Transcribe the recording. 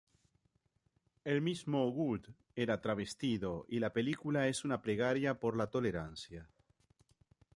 El mismo Wood era travestido y la película es una plegaria por la tolerancia.